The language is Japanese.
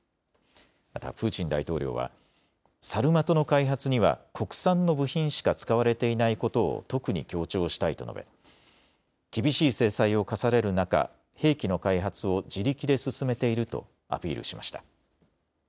またプーチン大統領はサルマトの開発には国産の部品しか使われていないことを特に強調したいと述べ、厳しい制裁を科される中、兵器の開発を自力で進めているとアピールしました。